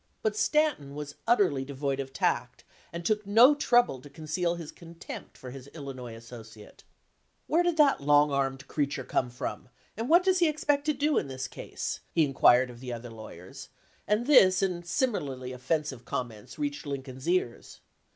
But Stanton was utterly devoid of tact, and took no trouble to conceal his contempt for his Illinois associate. "Where did that long armed creature come from, and what does he ex 257 LINCOLN THE LAWYER pect to do in this case?" he inquired of the other lawyers, and this and similarly offensive com ments reached Lincoln's ears.